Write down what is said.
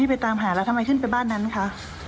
ไปตามหาแล้วทำไมขึ้นไปบ้านนั้นคะ